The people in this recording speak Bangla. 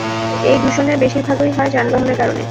এই দূষণের বেশির ভাগই হয় যানবাহনের কারণে।